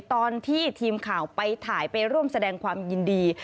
ตอนที่ทีมข่าวไปถ่ายไปร่วมแสดงความยินดี